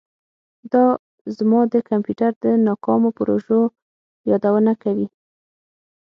دا زما د کمپیوټر د ناکامو پروژو یادونه کوي